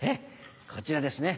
こちらですね。